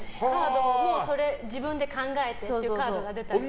もうそれ自分で考えてってカードが出たから。